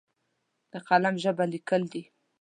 د قلم ژبه لیکل دي!